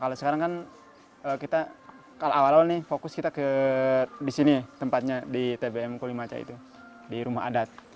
kalau sekarang kan kita kalau awal awal nih fokus kita ke di sini tempatnya di tbm kulimaca itu di rumah adat